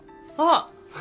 あっ。